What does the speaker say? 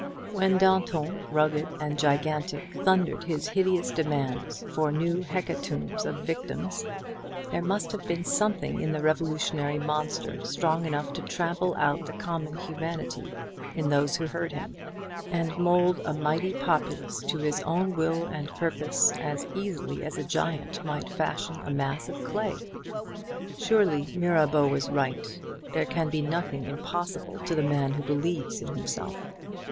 When Danton, rugged and gigantic, thundered his hideous demands for new hecatombs of victims, there must have been something in the revolutionary monster strong enough to trample out the common humanity in those who heard him, and mould a mighty populace to his own will and purpose as easily as a giant might fashion a mass of clay. Surely Mirabeau was right. There can be nothing impossible to the man who believes in himself.